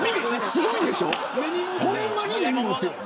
すごいでしょほんまに根に持つ。